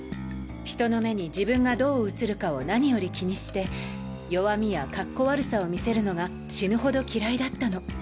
人の目に自分がどう映るかを何より気にして弱みやカッコ悪さを見せるのが死ぬほど嫌いだったの。